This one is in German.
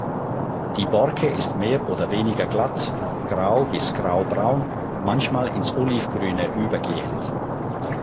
Die Borke ist mehr oder weniger glatt, grau bis grau-braun, manchmal ins olivgrüne übergehend.